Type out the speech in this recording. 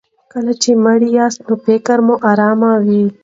کله چې مړه یاست نو فکر مو ارام وي.